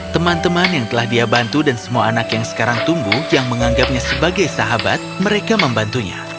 teman teman yang telah dia bantu dan semua anak yang sekarang tumbuh yang menganggapnya sebagai sahabat mereka membantunya